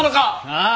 ああ